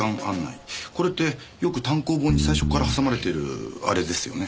これってよく単行本に最初からはさまれてるアレですよね。